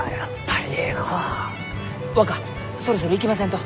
若そろそろ行きませんと！